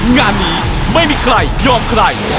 งานนี้ไม่มีใครยอมใคร